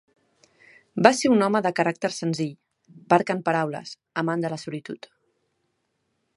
Va ser un home de caràcter senzill, parc en paraules, amant de la solitud.